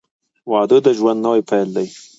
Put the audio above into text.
• واده د ژوند نوی پیل دی.